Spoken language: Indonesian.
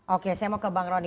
oke saya mau ke bang rony